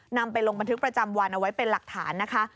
นำไปลงบันทึกประจำวันเอาไว้เป็นหลักฐานนะคะ